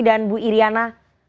dan bu iryana